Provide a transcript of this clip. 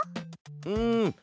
うん。